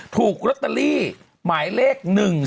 ถูกลอตเตอรี่หมายเลข๑๑